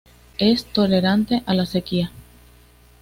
Es tolerante a la sequía.